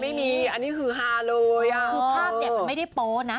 ใช่ไม่มีอันนี้คือฮาเลยอ่ะ